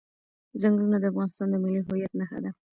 ځنګلونه د افغانستان د ملي هویت نښه ده.